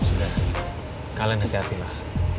sudah kalian hati hatilah